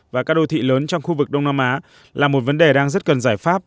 và các đô thị lớn trong khu vực đông nam á là một vấn đề đang rất cần giải pháp